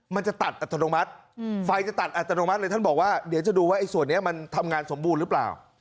มันจะตัดอัตโนมัติไฟจะตัดอัตโนมัติเลยท่านบอกว่าเดี๋ยวจะดูว่าไอ้ส่วนนี้มันทำงานสมบูรณ์หรือเปล่า